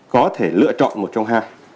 có thể lựa chọn một trong hai